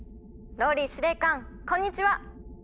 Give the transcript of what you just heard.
☎ＲＯＬＬＹ司令官こんにちは！